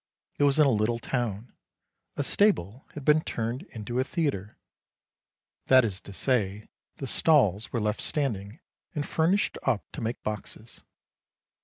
" It was in a little town; a stable had been turned into a theatre, that is to say, the stalls were left standing and furnished up to make boxes.